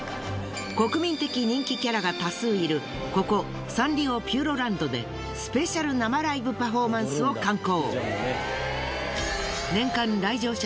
国民的人気キャラが多数いるここサンリオピューロランドでスペシャル生ライブパフォーマンスを敢行。